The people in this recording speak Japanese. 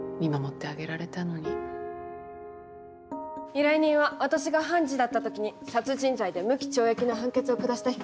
依頼人は私が判事だった時に殺人罪で無期懲役の判決を下した被告人なの。